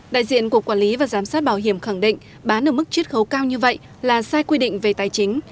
đại diện cục quản lý và giám sát bảo hiểm khẳng định bán ở mức chiết khấu cao như vậy là sai quy định về tài chính